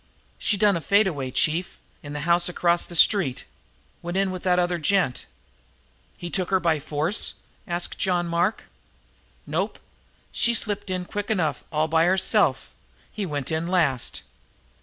"She done a fade away, chief, in the house across the street. Went in with that other gent." "He took her by force?" asked John Mark. "Nope. She slipped in quick enough and all by herself. He went in last."